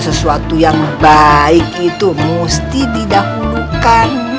sesuatu yang baik itu mesti didahulukan